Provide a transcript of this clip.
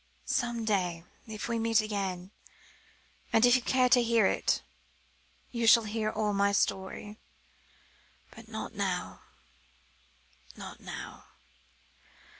"Some day if we meet again, and if you care to hear it you shall hear all the story, but not now not now.